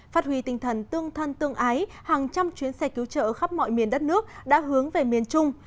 phát huy tinh thần tương thân tương ái hàng trăm chuyến xe cứu trợ khắp mọi miền đất nước đã hướng về miền trung